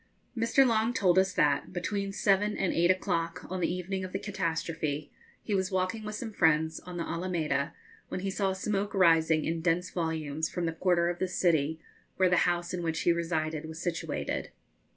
Mr. Long told us that, between seven and eight o'clock on the evening of the catastrophe, he was walking with some friends on the Alameda, when he saw smoke rising in dense volumes from the quarter of the city where the house in which he resided was situated.